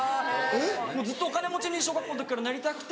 もうずっとお金持ちに小学校の時からなりたくて。